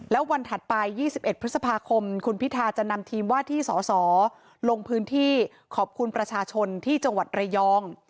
แล้ววันถัดไป๒๑พฤษภาคมคุณพิธาจะนำทีมว่าที่สสลงพื้นที่ขอบคุณประชาชนที่จังหวัดระยอง